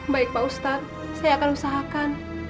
baik pak ustadz saya akan usahakan